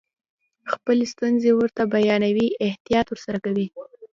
خپلې ستونزې ورته بیانوئ احتیاط ورسره کوئ.